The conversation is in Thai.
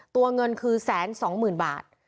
ตัวเงินคือ๑๒๐๐๐บาท